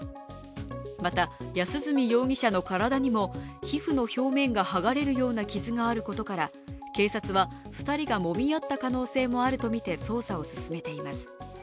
また、安栖容疑者の体にも、皮膚の表面が剥がれるような傷があったことから、警察は２人がもみ合った可能性もあるとみて捜査を進めています。